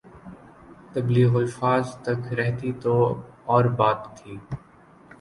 تبلیغ الفاظ تک رہتی تو اور بات تھی۔